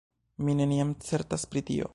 Mi neniam certas pri tio!